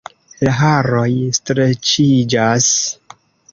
La haroj streĉiĝas.